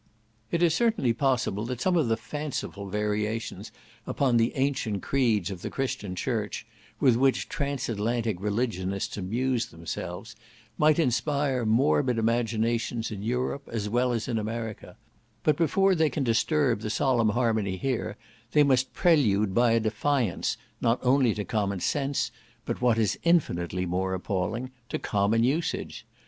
It is certainly possible that some of the fanciful variations upon the ancient creeds of the Christian Church, with which transatlantic religionists amuse themselves, might inspire morbid imaginations in Europe as well as in America; but before they can disturb the solemn harmony HERE they must prelude by a defiance, not only to common sense, but what is infinitely more appalling, to common usage.